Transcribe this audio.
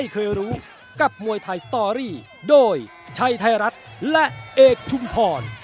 ครับสวัสดีครับ